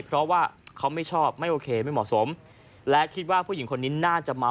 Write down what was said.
เพราะว่าเขาไม่ชอบไม่โอเคไม่เหมาะสมและคิดว่าผู้หญิงคนนี้น่าจะเมา